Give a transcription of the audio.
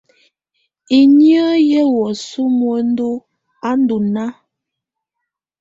Inyə yɛ wəsu muəndu a ndɔ náa.